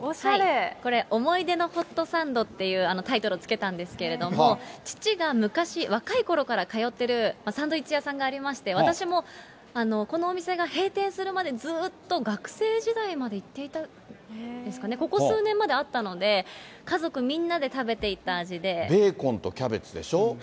これ、思い出のホットサンドっていうタイトルを付けたんですけれども、父が昔、若いころから通ってるさんどいっちやさんがありまして私もこのお店が閉店するまでずっと学生時代まで行っていたんですかね、ここ数年まであったので、家族みんなで食べていた味で。